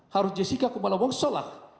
harus jessica kumala wongso lah